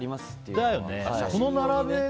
変だよね